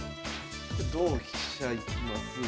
同飛車いきます。